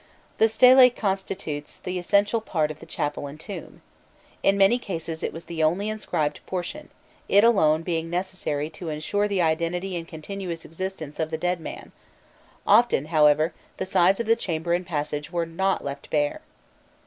The stele constitutes the essential part of the chapel and tomb. In many cases it was the only inscribed portion, it alone being necessary to ensure the identity and continuous existence of the dead man; often, however, the sides of the chamber and passage were not left bare.